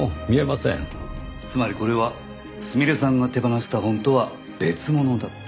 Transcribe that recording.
つまりこれはすみれさんが手放した本とは別物だった。